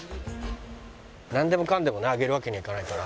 なんでもかんでもなあげるわけにはいかないから。